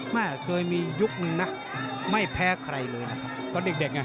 เมื่อเคยมียุคหนึ่งนะไม่แพ้ใครเลยนะตอนเด็กไง